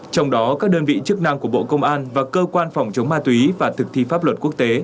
trong đó các đơn vị chức năng của bộ công an và cơ quan phòng chống ma túy và thực thi pháp luật quốc tế